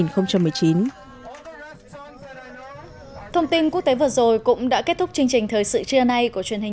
thông tin quốc tế vừa rồi cũng đã kết thúc chương trình thời sự trưa nay của truyền hình